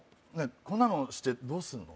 こんなの知ってどうすんの？